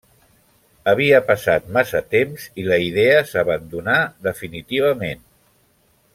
Havia passat massa temps i la idea s'abandonà definitivament.